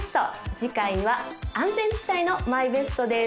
次回は安全地帯のＭＹＢＥＳＴです